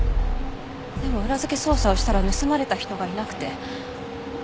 でも裏付け捜査をしたら盗まれた人がいなくて。